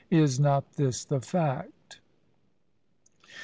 Is not this the fact?